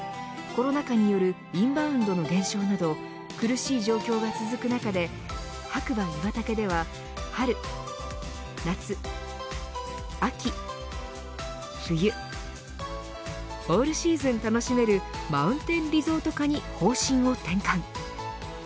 コロナ禍によるインバウンドの減少など苦しい状況が続く中で白馬岩岳では春、夏、秋、冬オールシーズン楽しめるマウンテンリゾート化に方針を転換。